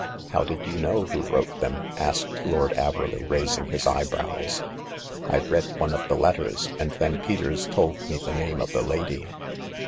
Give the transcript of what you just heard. How did you know who wrote them ?" asked Lord Averley, raising his eyebrows. " I read one of the letters, and then Peters told me the name of the lady.